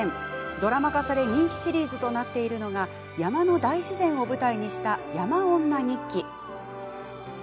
ドラマ化され人気シリーズとなっているのが山の大自然を舞台にした「山女日記」。